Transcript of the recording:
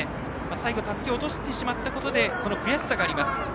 最後、たすきを落としてしまったことでその悔しさがあります。